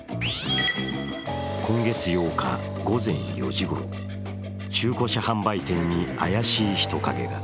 今月８日午前４時ごろ中古車販売店に怪しい人影が。